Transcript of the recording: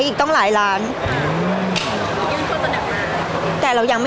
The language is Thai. พี่ตอบได้แค่นี้จริงค่ะ